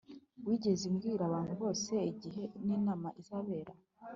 wigeze ubwira abantu bose igihe ninama izabera